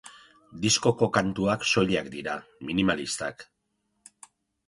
Diskoko kantuak soilak dira, minimalistak.